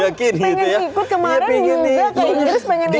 pengen ikut kemarin juga ke inggris pengen ikut